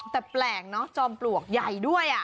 แต่แปลกเนอะจอมปลวกใหญ่ด้วย